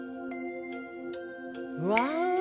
うわ！